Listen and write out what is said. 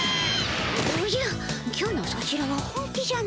おじゃ今日のソチらは本気じゃの。